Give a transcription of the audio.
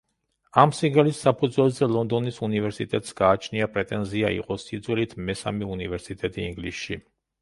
ამ სიგელის საფუძველზე ლონდონის უნივერსიტეტს გააჩნია პრეტენზია იყოს სიძველით მესამე უნივერსიტეტი ინგლისში.